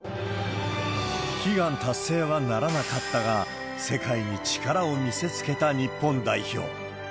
悲願達成は成らなかったが、世界に力を見せつけた日本代表。